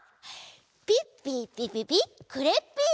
ピッピーピピピクレッピー！